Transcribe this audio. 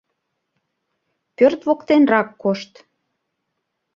— Пӧрт воктенрак кошт.